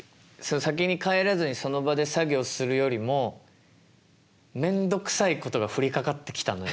先に帰らずにその場で作業をするよりもめんどくさいことが降りかかってきたのよ。